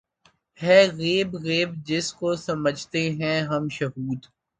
ہے غیب غیب‘ جس کو سمجھتے ہیں ہم شہود